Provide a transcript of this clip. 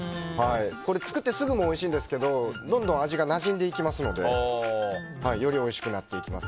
タレは作ってすぐもおいしいですけどどんどん味がなじんでいきますのでよりおいしくなっていきます。